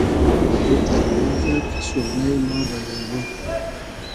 او آوازۂ کی سورنݷ ما بئلݷ بور